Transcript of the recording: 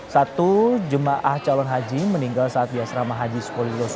satu jemaah calon haji meninggal saat dia serama haji sekolah di surabaya